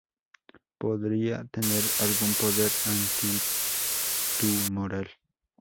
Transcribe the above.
Podría tener algún poder antitumoral.